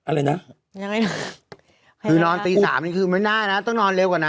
นรตี๓คือเมื่อน่าน่ะต้องนอนเร็วกว่านั้น